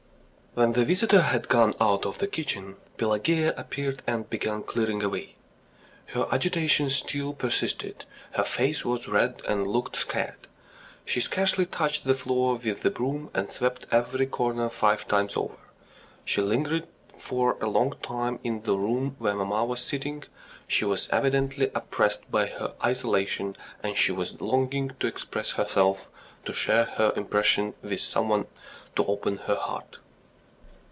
When the visitor had gone out of the kitchen, Pelageya appeared and began clearing away. Her agitation still persisted. Her face was red and looked scared. She scarcely touched the floor with the broom, and swept every corner five times over. She lingered for a long time in the room where mamma was sitting. She was evidently oppressed by her isolation, and she was longing to express herself, to share her impressions with some one, to open her heart.